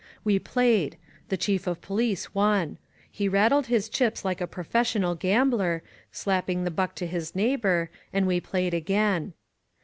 We played. Tlie Chief of Police won. He rattled his chips like a professional gambler, slapping the buck to his neighbor, and we played again.